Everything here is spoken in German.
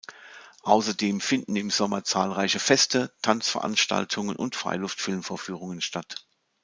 Außerdem finden im Sommer zahlreiche Feste, Tanzveranstaltungen und Freiluft-Filmvorführungen statt.